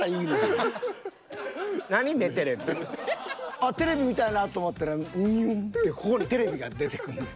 あっテレビ見たいなと思ったらニュンってここにテレビが出てくんねん。